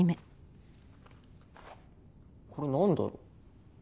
これ何だろう？